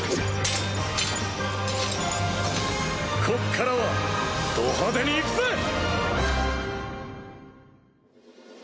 こっからはド派手に行くぜ！！